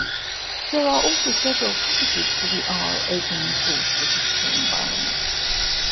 There are also several packages for the R open source statistical environment.